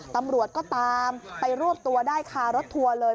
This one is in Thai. ตำรวจก็ตามไปรวบตัวได้คารถทัวร์เลย